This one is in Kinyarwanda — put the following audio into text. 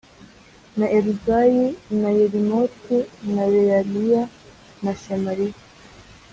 Na eluzayi na yerimoti na beyaliya na shemariya